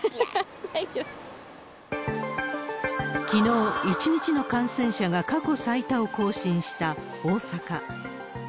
きのう、１日の感染者が過去最多を更新した大阪。